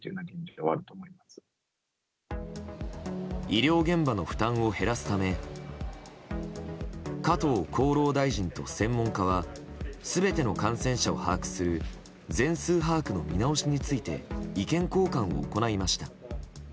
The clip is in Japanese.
医療現場の負担を減らすため加藤厚労大臣と専門家は全ての感染者を把握する全数把握の見直しについて意見交換を行いました。